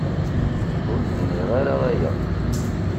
Ur d-nniɣ ara aya.